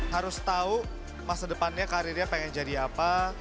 harus tahu masa depannya karirnya pengen jadi apa